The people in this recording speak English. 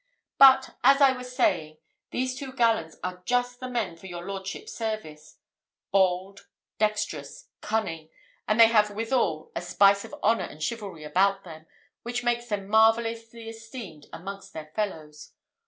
But as I was saying, these two gallants are just the men for your lordship's service: bold, dexterous, cunning; and they have withal a spice of honour and chivalry about them, which makes them marvellously esteemed amongst their fellows.